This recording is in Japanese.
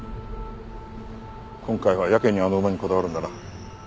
今回はやけにあの馬にこだわるんだな。